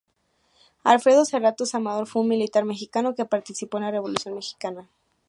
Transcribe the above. Alfredo Serratos Amador fue un militar mexicano que participó en la Revolución mexicana.